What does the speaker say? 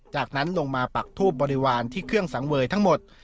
จากนั้นลงมาปักทูบบริวารที่เครื่องสังเวยทั้งหมด